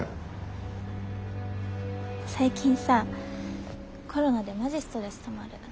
最近さコロナでマジストレスたまる。